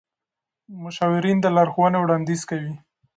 مشاورین د لارښوونې وړاندیز کوي.